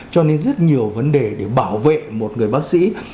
cho nên rất nhiều vấn đề để bảo vệ một người bác sĩ